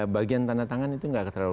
bagian tanda tangan itu tidak terlalu